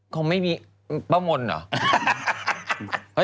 คงไม่มีป้ามนเหรอ